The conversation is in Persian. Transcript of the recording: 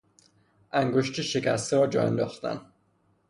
انگشت شکسته را جا انداختن